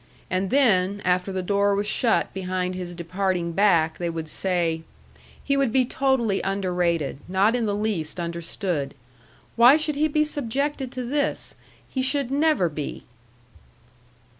and then, after the door was shut behind his departing back they would say He would be totally underrated, not in the least understood. Why should he be subjected to this? He should never be!